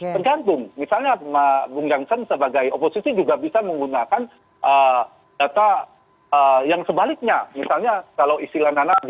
tergantung misalnya bung jansan sebagai oposisi juga bisa menggunakan